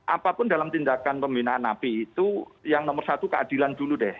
apapun dalam tindakan pembinaan napi itu yang nomor satu keadilan dulu deh